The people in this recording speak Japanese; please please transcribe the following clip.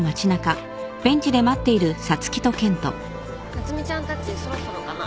夏海ちゃんたちそろそろかな。